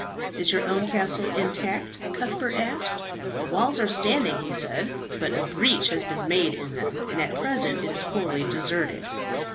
"Is your own castle intact?" Cuthbert asked. "The walls are standing," he said; "but a breach has been made in them, and at present it is wholly deserted."